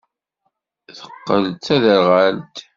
Teqqel d taderɣalt.